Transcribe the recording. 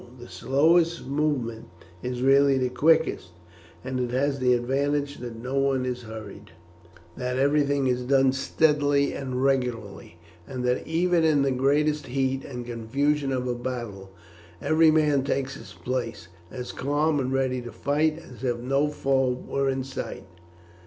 The slowest movement is really the quickest, and it has the advantage that no one is hurried, that everything is done steadily and regularly, and that even in the greatest heat and confusion of a battle every man takes his place, as calm and ready to fight as if no foe were in sight.